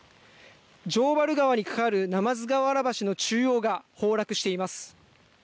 城原川に架かる鯰河原橋の中央が崩落しています。